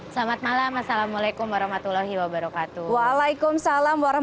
selamat malam assalamualaikum wr wb